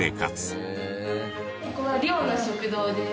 ここは寮の食堂です。